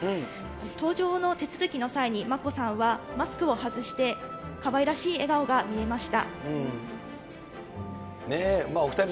搭乗の手続きの際に、眞子さんはマスクを外して、かわいらしい笑顔が見えました。